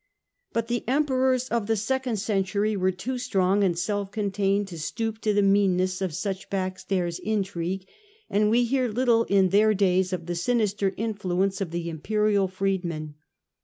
But the Emperors of the second century were too strong and self contained to stoop to the meanness of such backstairs intrigue, and we hear little in their days of the sinister influence of the afierSards imperial freedmen.